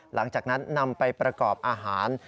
หลังจากนั้นนำไปประกอบอาหาร